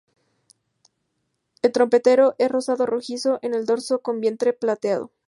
El trompetero es rosado rojizo en el dorso con vientre plateado.